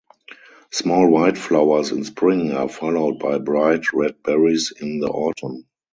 Small white flowers in Spring are followed by bright red berries in the Autumn.